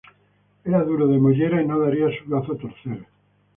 Era duro de mollera y no daría su brazo a torcer